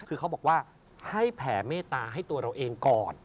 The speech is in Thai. คือเขาบอกว่าให้แผ่เมตตาให้ตัวเราเองก่อน